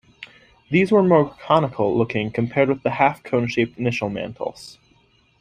These were more conical looking compared with the half cone shaped initial mantles.